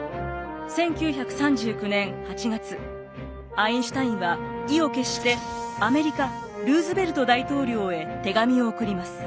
アインシュタインは意を決してアメリカルーズベルト大統領へ手紙を送ります。